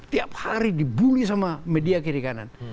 tiap hari dibully sama media kiri kanan